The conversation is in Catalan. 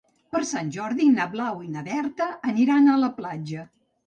Per Sant Jordi na Blau i na Berta aniran a la platja.